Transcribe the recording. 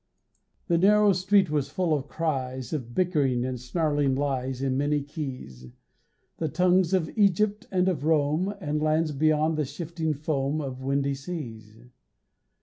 The narrow street was full of cries, Of bickering and snarling lies In many keys The tongues of Egypt and of Rome And lands beyond the shifting foam Of windy seas.